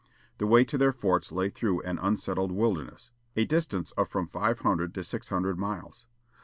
The way to their forts lay through an unsettled wilderness, a distance of from five hundred to six hundred miles.